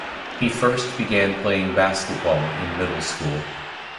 He first began playing basketball in middle school.